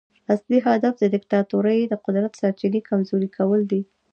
اصلي هدف د دیکتاتورۍ د قدرت سرچینې کمزوري کول دي.